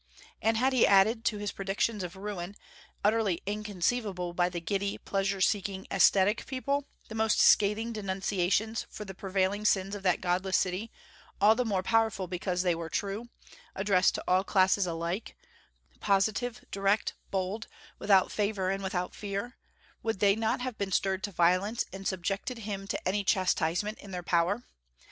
And had he added to his predictions of ruin, utterly inconceivable by the giddy, pleasure seeking, atheistic people, the most scathing denunciations of the prevailing sins of that godless city, all the more powerful because they were true, addressed to all classes alike, positive, direct, bold, without favor and without fear, would they not have been stirred to violence, and subjected him to any chastisement in their power?